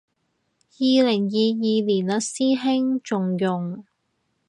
二零二二年嘞師兄，仲用